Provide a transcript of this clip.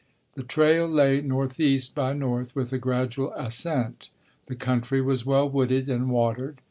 The trail lay northeast by north with a gradual ascent. The country was well wooded and watered.